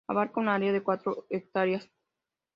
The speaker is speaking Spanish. Abarca un área de cuatro hectáreas.